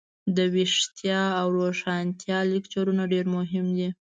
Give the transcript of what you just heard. دویښتیا او روښانتیا لکچرونه ډیر مهم دي.